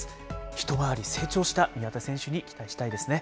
一回り成長した宮田選手に期待したいですね。